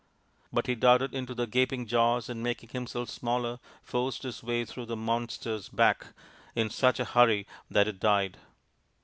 But he darted into the gaping jaws and making himself smaller forced his way through the monster's back in such a hurry that it died.